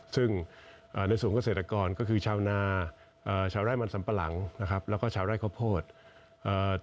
ซึ่งในส่วนเกษตรกรก็คือชาวนาชาวไร้มันสัมปรังแล้วก็ชาวไร้ข้อโพธิ